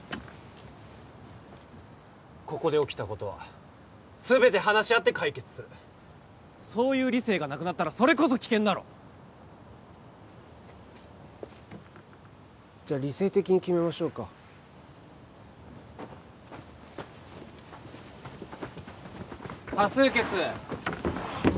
ここで起きたことは全て話し合って解決するそういう理性がなくなったらそれこそ危険だろじゃあ理性的に決めましょうか多数決